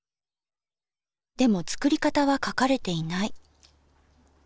でも作り方は書かれていない。